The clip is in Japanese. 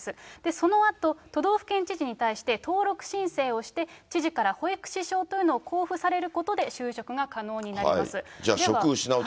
そのあと、都道府県知事に対して登録申請をして、知事から保育士証というのを交付されることで、就職が可能になりじゃあ、職失うときは。